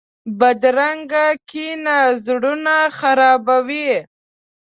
بدرنګه کینه زړونه خرابوي